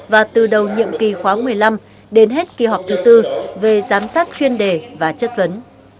và từ đầu nhiệm kỳ khóa một mươi năm đến hết kỳ họp thứ tư về giám sát chuyên đề và chất vấn